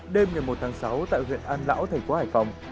đêm ngày một tháng sáu tại huyện an lão thành phố hải phòng